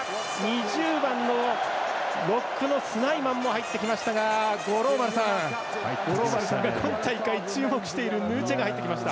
２０番のロックのスナイマンも入ってきましたが五郎丸さんが今大会注目しているヌチェが入ってきました。